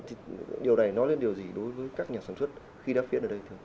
thì điều này nói lên điều gì đối với các nhà sản xuất khí đá phiến ở đây